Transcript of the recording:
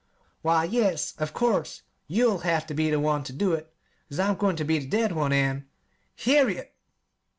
"Why, yes, of course. You'll have ter be the one ter do it, 'cause I'm goin' ter be the dead one, an' " "Harriet!"